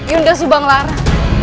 yunda subang lara